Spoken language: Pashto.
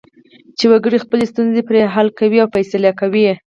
چې وګړي خپلې ستونزې پرې حل کوي او فیصلې کوي.